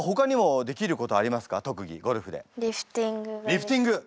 リフティング！